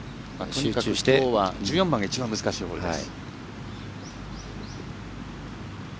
きょうは１４番が一番難しいホールです。